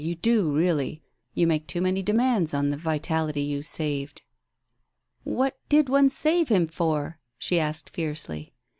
You do really ! You make too many demands on the vitality you saved." "What did one save him for?" she asked fiercely.